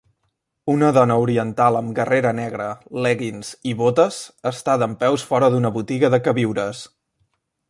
Una dona oriental amb guerrera negra, leggings i botes, està dempeus fora d'una botiga de queviures.